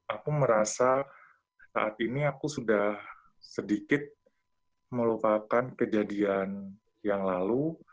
aku merasa saat ini aku sudah sedikit melupakan kejadian yang lalu